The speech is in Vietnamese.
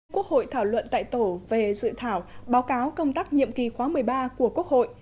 quốc hội thảo luận tại tổ về dự thảo báo cáo công tác nhiệm kỳ khóa một mươi ba của quốc hội